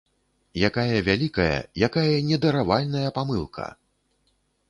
Якая вялікая, якая недаравальная памылка!